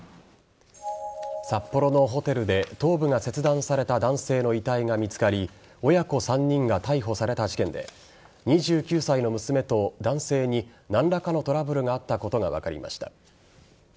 札幌のホテルで頭部が切断された男性の遺体が見つかり親子３人が逮捕された事件で２９歳の娘と男性に何らかのトラブルがあったことが分かりました。